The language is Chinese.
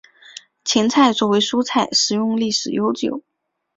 芹菜作为蔬菜食用历史悠久。